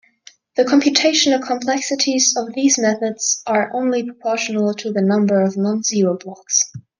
The computational complexities of these methods are only proportional to the number of non-zero blocks.